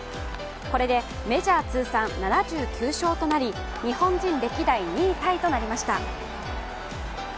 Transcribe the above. これでメジャー通算７９勝となり、日本人歴代２位タイとなりました。